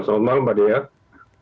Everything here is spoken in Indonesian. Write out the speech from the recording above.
selamat malam mbak diat